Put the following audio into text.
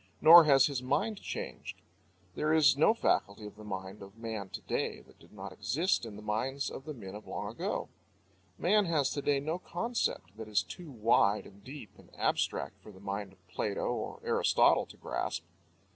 Nor has his mind changed. There is no faculty of the mind of man to day that did not exist in the minds of the men of long ago. Man has to day no concept that is too wide and deep and abstract for the mind of Plato or Aristotle to grasp.